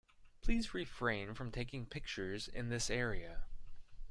Please refrain from taking pictures in this area.